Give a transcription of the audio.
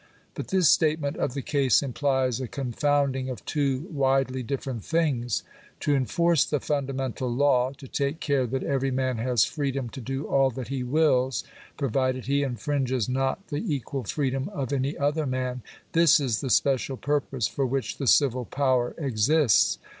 But this statement of the case implies a confounding of two widely different things. To enforce the fundamental law — to take care that every man has freedom to do all that he wills, provided he infringes not the equal free dom of any other man — this is the special purpose for which the civil power exists.